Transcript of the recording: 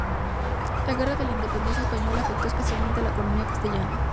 La Guerra de la Independencia Española afectó especialmente a la economía castellana.